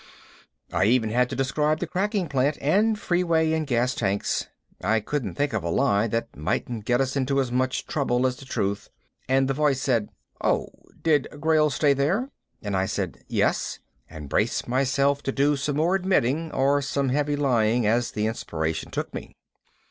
I even had to describe the cracking plant and freeway and gas tanks I couldn't think of a lie that mightn't get us into as much trouble as the truth and the voice said, "Oh, did Grayl stay there?" and I said, "Yes," and braced myself to do some more admitting, or some heavy lying, as the inspiration took me.